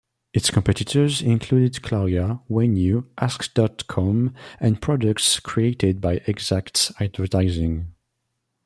Its competitors included Claria, When-U, Ask dot com and products created by eXact Advertising.